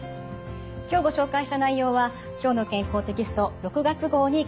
今日ご紹介した内容は「きょうの健康」テキスト６月号に掲載されています。